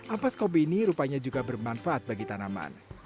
ampas kopi ini rupanya juga bermanfaat bagi tanaman